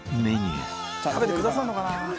「食べてくださるのかな？」